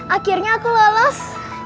akhirnya aku lolos